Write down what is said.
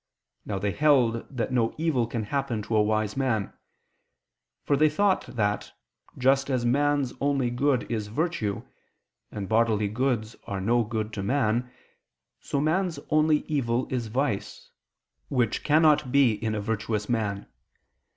Now they held that no evil can happen to a wise man: for they thought that, just as man's only good is virtue, and bodily goods are no good to man; so man's only evil is vice, which cannot be in a virtuous man.